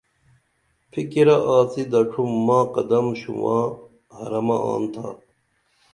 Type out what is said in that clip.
فِکِرہ آڅی دڇُھم ماں قدم شوباں حرمہ آن تھا